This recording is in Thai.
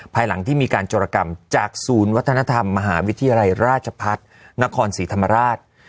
ภายหลังที่มีการโจรกรรมจากศูนย์วัฒนธรรมมหาวิทยาลัยราชพัฒน์นครศรีธรรมราช